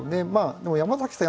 でも山崎さん